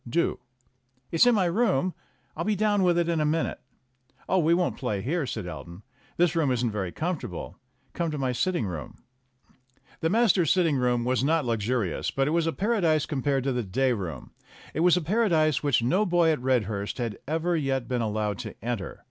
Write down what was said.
"Do." "It's in my room. I'll be down with it in a minute." "Oh, we won't play here," said Elton. "This room isn't very comfortable. Come to my sitting room." The masters' sitting room was not luxurious, but it 112 STORIES WITHOUT TEARS was a paradise compared to the day room. It was a paradise which no boy at Redhurst had ever yet been allowed to enter.